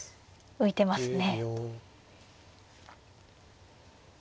浮いてますね。